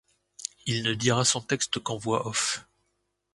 Il ne dira son texte qu'en voix off.